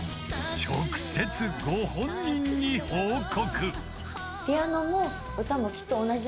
［直接ご本人に報告］